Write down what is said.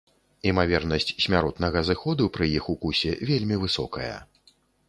Імавернасць смяротнага зыходу пры іх укусе вельмі высокая.